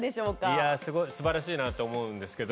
いやぁすばらしいなと思うんですけど。